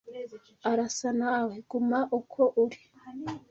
Arasa nawe. Guma uko uri.